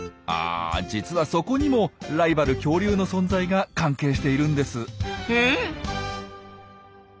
あ実はそこにもライバル・恐竜の存在が関係しているんです。え？